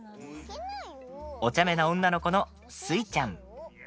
おちゃめな女の子のスイちゃん。